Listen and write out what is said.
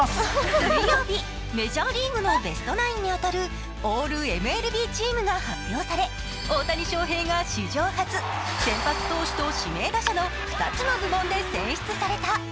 水曜日、メジャーリーグのベストナインに当たるオールＭＬＢチームが発表され、大谷翔平が史上初、先発投手と指名打者の２つの部門で選出された。